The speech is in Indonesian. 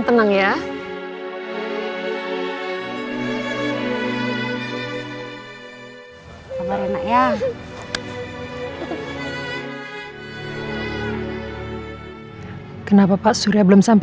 berapa begitu berapa berapa